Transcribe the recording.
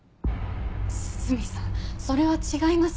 涼見さんそれは違います！